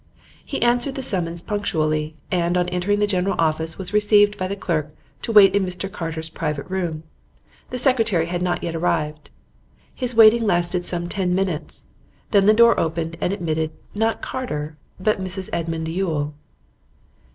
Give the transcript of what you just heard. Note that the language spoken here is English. He answered the summons punctually, and on entering the general office was requested by the clerk to wait in Mr Carter's private room; the secretary had not yet arrived. His waiting lasted some ten minutes, then the door opened and admitted, not Carter, but Mrs Edmund Yule.